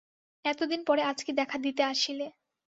এতদিন পরে আজ কি দেখা দিতে আসিলে।